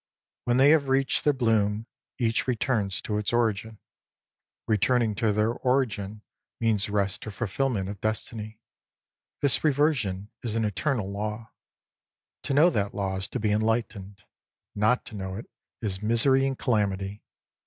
When they have reached their bloom, each returns to its origin. Returning to their origin means rest or fulfilment of destiny. This reversion is an eternal law. To know that law is to be enlightened. Not to know it, is misery and calamity.